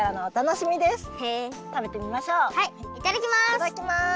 いただきます！